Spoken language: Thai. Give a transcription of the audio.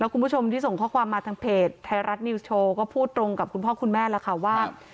คุณผู้ชมที่ส่งข้อความมาทางเพจไทยรัฐนิวส์โชว์ก็พูดตรงกับคุณพ่อคุณแม่แล้วค่ะว่า